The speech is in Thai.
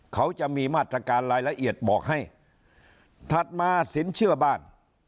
เขาจะมีมาตรการรายละเอียดบอกให้ถัดมาสินเชื่อบ้าน